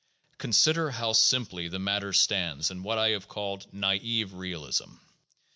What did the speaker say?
Consider how simply the matter stands in what I have called nai've realism.